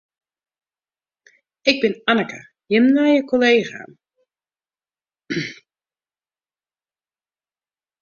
Ik bin Anneke, jim nije kollega.